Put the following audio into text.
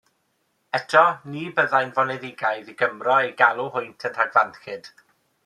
Eto ni byddai'n foneddigaidd i Gymro eu galw hwynt yn rhagfarnllyd.